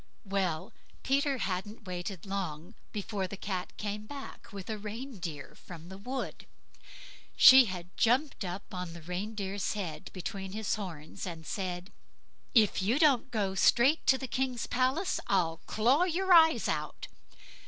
'" Well! Peter hadn't waited long before back came the cat with a reindeer from the wood; she had jumped up on the reindeer's head, between his horns, and said, "If you don't go straight to the king's palace I'll claw your eyes out."